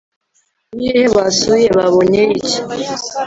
ni hehe basuye? babonyeyo iki?